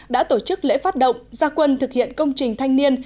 đã tổ chức lễ phát động gia quân thực hiện công trình thanh niên